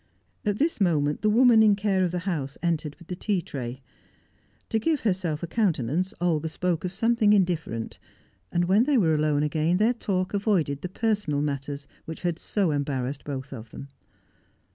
At this moment the woman in care of the house entered with the tea tray. To give herself a countenance, Olga spoke of something indifferent, and when they were alone again, their talk avoided the personal matters which had so embarrassed both of them.